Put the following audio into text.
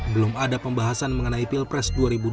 belum ada pembahasan mengenai pilpres dua ribu dua puluh